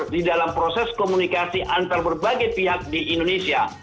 di dalam proses komunikasi antar berbagai pihak di indonesia